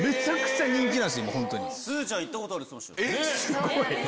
すごい！